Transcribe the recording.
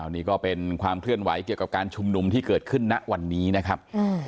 นี่ก็เป็นความเคลื่อนไหวเกี่ยวกับการชุมนุมที่เกิดขึ้นณวันนี้นะครับ